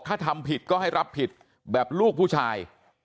ถ้าทำผิดก็ให้รับผิดแบบลูกผู้ชาย